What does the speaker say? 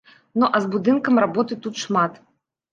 Ну а з будынкам работы тут шмат.